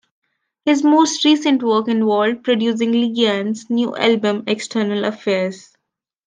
His most recent work involved producing Ligion's new album, "External Affairs".